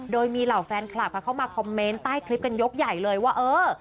โดยมีเหล่าแฟนคลับค่ะเข้ามาคอมเมนต์ใต้คลิปกันยกใหญ่เลยว่าเออ